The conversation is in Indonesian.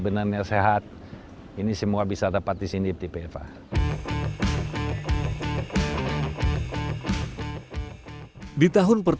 berhasil masuk dalam squad under empat belas